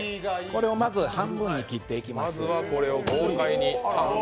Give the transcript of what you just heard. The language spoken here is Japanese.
これをまず半分に切っていきます。